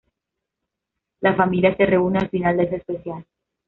La familia se reúne al final de ese especial.